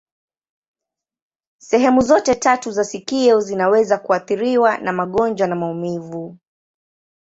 Sehemu zote tatu za sikio zinaweza kuathiriwa na magonjwa na maumivu.